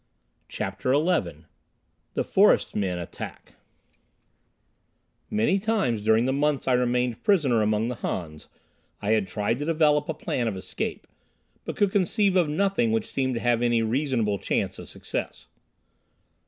CHAPTER XI The Forest Men Attack Many times during the months I remained prisoner among the Hans I had tried to develop a plan of escape, but could conceive of nothing which seemed to have any reasonable chance of success.